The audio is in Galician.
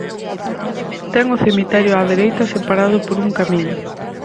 Ten o cemiterio á dereita separado por un camiño.